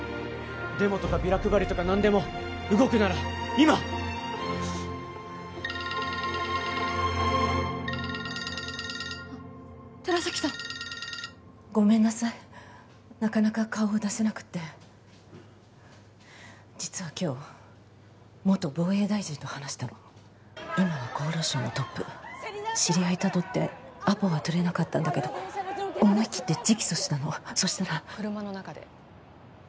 デモとかビラ配りとか何でも動くなら今よし寺崎さんごめんなさいなかなか顔を出せなくって実は今日元防衛大臣と話したの今は厚労省のトップ知り合いたどってアポは取れなかったんだけど思い切って直訴したのそしたら車の中で